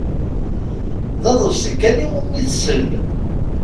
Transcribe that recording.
D aḍebsi kan iwumi tessal.